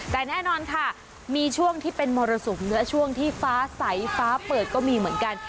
แต่แน่นอนค่ะมีช่วงที่เป็นมรสุมเนื้อช่วงที่ฟ้าใสฟ้าเปิดก็มีเหมือนกัน